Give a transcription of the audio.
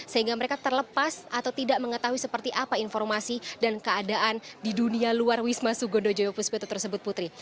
sehingga mereka terlepas atau tidak mengetahui seperti apa informasi dan keadaan di dunia luar wisma sugondo joyo puspito tersebut putri